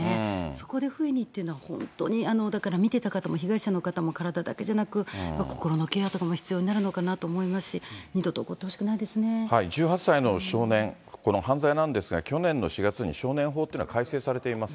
そこで不意にというのは、本当に、だから見てた方も被害者の方も体だけじゃなく、心のケアとかも必要になるのかなと思いますし、１８歳の少年、この犯罪なんですが、去年の４月に少年法というのは改正されています。